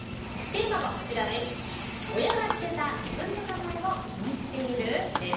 テーマは親がつけた自分の名前を気に入っている？です。